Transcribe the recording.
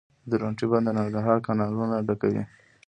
د درونټې بند د ننګرهار کانالونه ډکوي